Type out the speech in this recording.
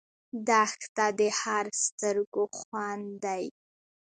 دښته د هر سترګو خوند دی.